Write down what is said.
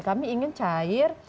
kami ingin cair